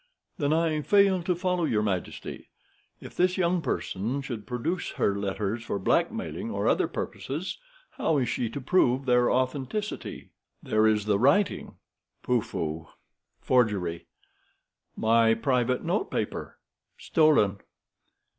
"Then I fail to follow your majesty. If this young person should produce her letters for blackmailing or other purposes, how is she to prove their authenticity?" "There is the writing." "Pooh pooh! Forgery." "My private note paper." "Stolen."